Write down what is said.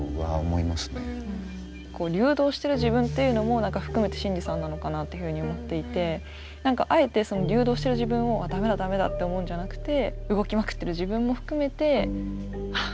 流動してる自分っていうのも含めてシンジさんなのかなっていうふうに思っていて何かあえて流動している自分を駄目だ駄目だって思うんじゃなくて動きまくってる自分も含めてああ